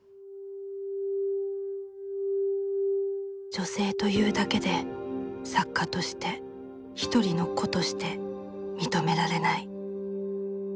女性というだけで作家として一人の個として認められない。